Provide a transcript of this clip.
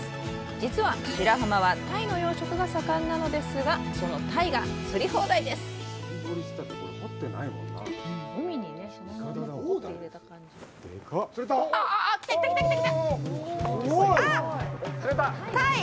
実は白浜は鯛の養殖が盛んなのですがその鯛が釣り放題ですあっ来た来た来たあっ鯛？